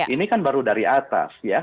ini kan baru dari atas ya